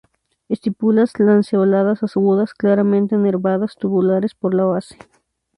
Estípulas lanceoladas agudas, claramente nervadas, tubulares por la base.